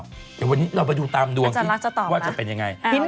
เดี๋ยววันนี้เราไปดูตามดวงว่าจะเป็นยังไงอาจารักษ์จะตอบนะ